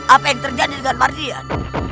apa yang terjadi dengan margian